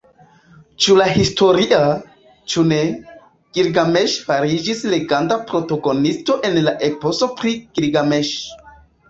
Ĉu historia, ĉu ne, Gilgameŝ fariĝis legenda protagonisto en la "Eposo pri Gilgameŝ".